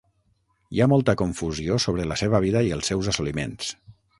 Hi ha molta confusió sobre la seva vida i els seus assoliments.